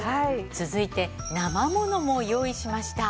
続いて生ものも用意しました。